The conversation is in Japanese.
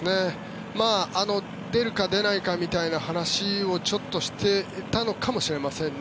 出るか出ないかみたいな話をちょっとしてたのかもしれませんね。